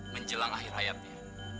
menjelang akhir hayatnya